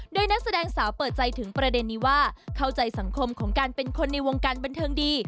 โดยนักแสดงสาวเปิดใจถึงประเด็นนี้ว่าเข้าใจสังคมของการเป็นคนในวงการบันเทิงดี